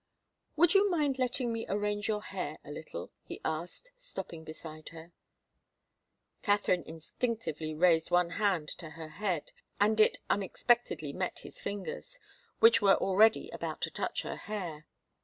"Would you mind letting me arrange your hair a little?" he asked, stopping beside her. Katharine instinctively raised one hand to her head, and it unexpectedly met his fingers, which were already about to touch her hair.